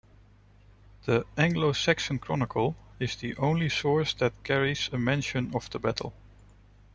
The "Anglo-Saxon Chronicle" is the only source that carries a mention of the battle.